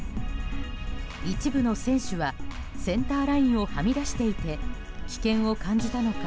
一部の選手はセンターラインをはみ出していて危険を感じたのか